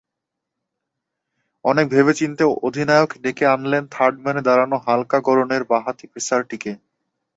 অনেক ভেবেচিন্তে অধিনায়ক ডেকে আনলেন থার্ডম্যানে দাঁড়ানো হালকা গড়নের বাঁহাতি পেসারটিকে।